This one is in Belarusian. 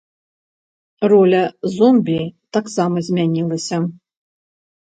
Роля зомбі таксама змянілася.